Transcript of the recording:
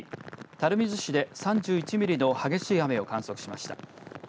垂水市で３１ミリと激しい雨を観測しました。